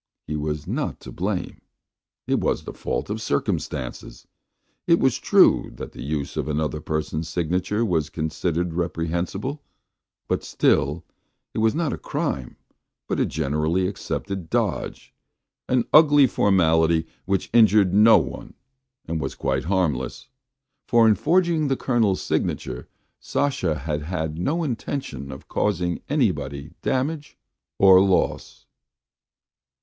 He was not to blame; it was the fault of circumstances. It was true that the use of another person's signature was considered reprehensible; but, still, it was not a crime but a generally accepted dodge, an ugly formality which injured no one and was quite harmless, for in forging the Colonel's signature Sasha had had no intention of causing anybody damage or loss.